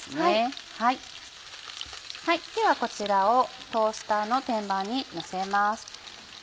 ではこちらをトースターの天板にのせます。